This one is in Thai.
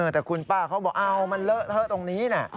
แต่คุณป้าเขาบอกมันเลอะเทอะตรงนี้นะ